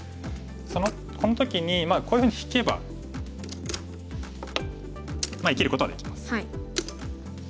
この時にこういうふうに引けば生きることはできます。